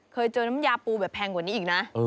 เคยเจอน้ำยาปูแบบแพงกว่านี้อีกนะ